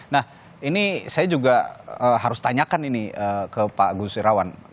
nah ini saya juga harus tanyakan ini ke pak gus irawan